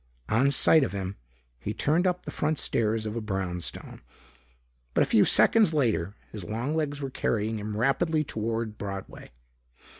On sight of him, he turned up the front stairs of a brownstone. But a few seconds later, his long legs were carrying him rapidly toward Broadway.